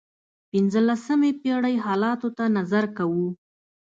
پنځلسمې پېړۍ حالاتو ته نظر کوو.